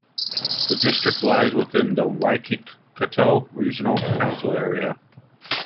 The district lies within the Waikato Regional Council area.